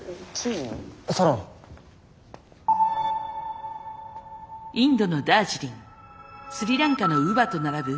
インドのダージリンスリランカのウヴァと並ぶ